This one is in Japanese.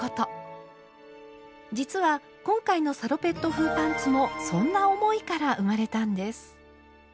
実は今回のサロペット風パンツもそんな思いから生まれたんです。